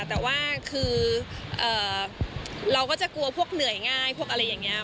แต่ว่าคือเราก็จะกลัวพวกเหนื่อยง่ายพวกอะไรอย่างนี้